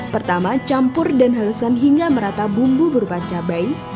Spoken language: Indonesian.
pertama campur dan haluskan hingga merata bumbu berupa cabai